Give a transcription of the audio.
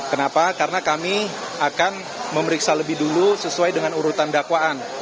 kenapa karena kami akan memeriksa lebih dulu sesuai dengan urutan dakwaan